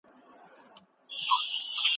که اتڼ وکړو نو خوشحالي نه پټیږي.